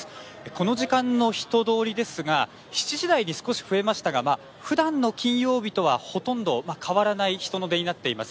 この時間の人通りですが７時台に少し増えましたがふだんの金曜日とはほとんど変わらない人の出になっています。